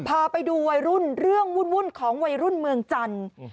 พาไปดูวัยรุ่นเรื่องวุ่นของวัยรุ่นเมืองจันทร์